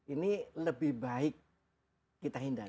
ini lebih baik kita hindari